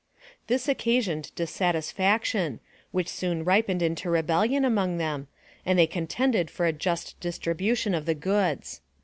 This occasioned dissatisfaction, which soon ripened to rebellion among them, and they contended for a just distribution of the goods.